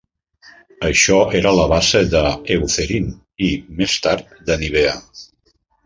Això era la base d'Eucerin i, més tard, de Nivea.